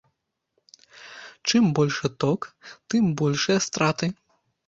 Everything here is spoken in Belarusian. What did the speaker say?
Чым большы ток, тым большыя страты.